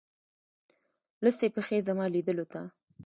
لڅي پښې زما لیدولو ته